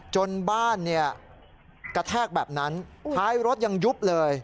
จนบ้านเนี่ยกระแทกแบบนั้นท้ายรถยังยุบเลย